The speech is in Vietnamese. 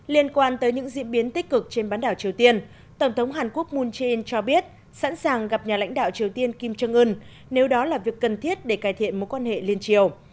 liên quan tới những diễn biến tích cực trên bán đảo triều tiên tổng thống hàn quốc moon jae in cho biết sẵn sàng gặp nhà lãnh đạo triều tiên kim jong un nếu đó là việc cần thiết để cải thiện mối quan hệ liên triều